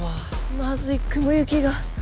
まずい雲行きが。